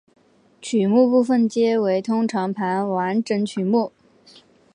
曲目部分皆为通常盘完整曲目。